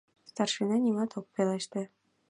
Старшина нимат ок пелеште.